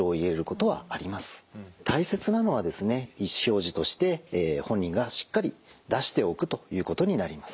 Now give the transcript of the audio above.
大切なのはですね意思表示として本人がしっかり出しておくということになります。